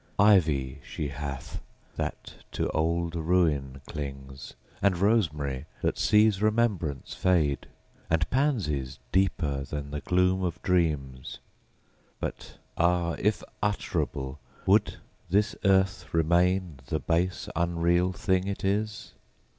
Ivy she hath, that to old ruin clings; And rosemary, that sees remembrance fade; And pansies, deeper than the gloom of dreams; But ah! if utterable, would this earth Remain the base, unreal thing it is?